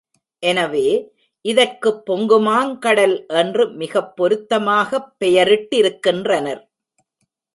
எனவே, இதற்குப் பொங்குமாங் கடல் என்று மிகப் பொருத்தமாகப் பெயரிட்டிருக்கின்றனர்.